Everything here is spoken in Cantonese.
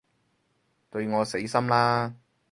對我死心啦